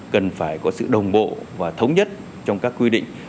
cần phải có sự đồng bộ và thống nhất trong các quy định